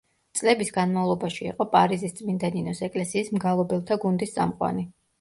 წლების განმავლობაში იყო პარიზის წმინდა ნინოს ეკლესიის მგალობელთა გუნდის წამყვანი.